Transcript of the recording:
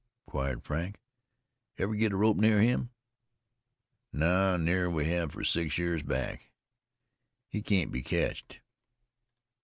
inquired Frank. "Ever get a rope near him?" "No nearer'n we hev fer six years back. He can't be ketched.